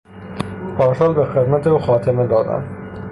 پارسال به خدمت او خاتمه دادند.